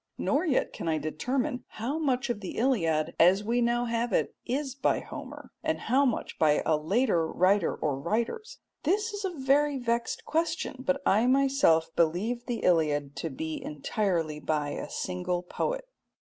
Nor yet can I determine how much of the Iliad as we now have it is by Homer, and how much by a later writer or writers. This is a very vexed question, but I myself believe the Iliad to be entirely by a single poet.